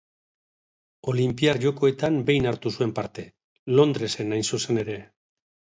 Olinpiar Jokoetan behin hartu zuen parte: Londresen hain zuzen ere.